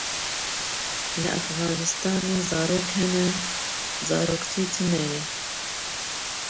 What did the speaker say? Li Efxanistanê zarok hene, zaroktî tune ye.